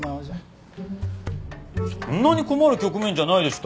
そんなに困る局面じゃないでしょ